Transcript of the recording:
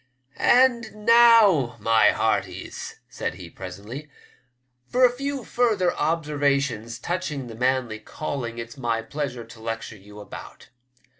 "And now, my hearties," said he presently, "for a few further observations touching the manly calling it's my pleasure to lecture you about.